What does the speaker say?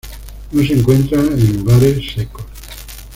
No se encuentra en lugares secos.